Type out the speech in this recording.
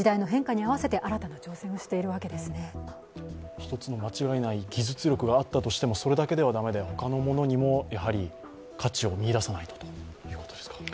１つの間違いない技術力があったとしてもそれだけでは駄目で、他のものにも価値を見いださないとということですか。